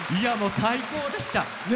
最高でした。